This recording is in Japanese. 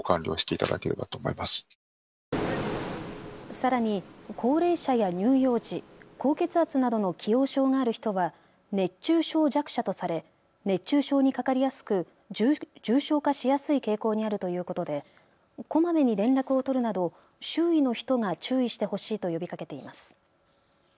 さらに高齢者や乳幼児、高血圧などの既往症がある人は熱中症弱者とされ熱中症にかかりやすく重症化しやすい傾向にあるということでこまめに連絡を取るなど周囲の人が注意してほしいと呼びかけています。